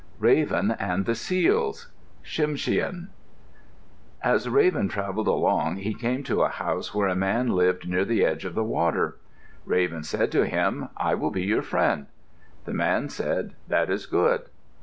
RAVEN AND THE SEALS Tsimshian As Raven travelled along, he came to a house where a man lived near the edge of the water. Raven said to him, "I will be your friend." The man said, "That is good."